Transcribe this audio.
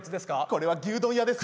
これは牛丼屋です。